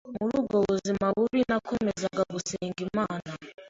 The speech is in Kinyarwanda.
muri ubwo buzima bubi nakomezaga gusenga Imana